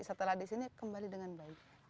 setelah di sini kembali dengan baik